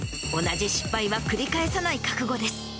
同じ失敗は繰り返さない覚悟です。